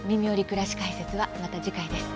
くらし解説」はまた次回です。